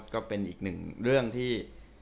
ก็เป็นอีกหนึ่งเรื่องที่